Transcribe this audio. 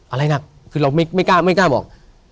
อะไรหนักคือเราไม่กล้าบอก